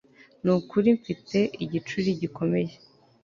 Nukuri Mfite igicuri gikomeye